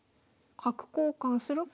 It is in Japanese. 角交換するか。